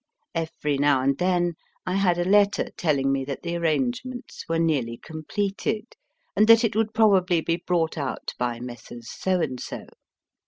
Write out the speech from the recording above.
Every now and then I had a letter telling me that the arrangements were nearly completed, and that it would probably be brought out by Messrs. So and so.